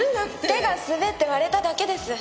手が滑って割れただけです。